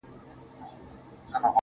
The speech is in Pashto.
گوره وړې زيارت ته راسه زما واده دی گلي,